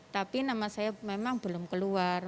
tapi nama saya memang belum keluar